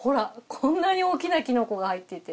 こんなに大きなキノコが入っていて。